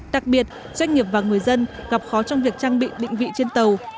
đặc biệt doanh nghiệp và người dân gặp khó trong việc trang bị định vị trên tàu